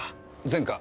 前科？